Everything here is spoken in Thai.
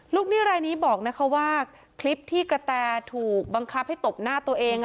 หนี้รายนี้บอกนะคะว่าคลิปที่กระแตถูกบังคับให้ตบหน้าตัวเอง